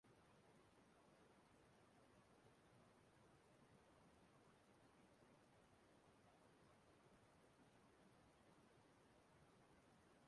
Ichie Ochinanwata na ndi ọzọgasi.